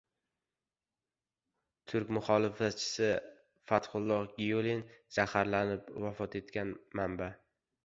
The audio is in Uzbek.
Turk muxolifatchisi Fatxulloh Gyulen zaharlanib, vafot etgan — manba